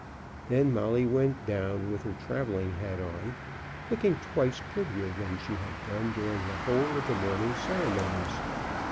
Then Molly went down with her travelling hat on, looking twice prettier than she had done during the whole of the morning ceremonies.